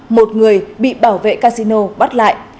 một người bị bảo vệ casino bắt lại